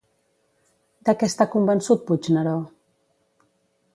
De què està convençut Puigneró?